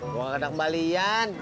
gue nggak ada kembalian